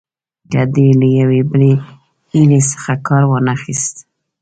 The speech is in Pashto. که دې له یوې بلې حیلې څخه کار وانه خیست.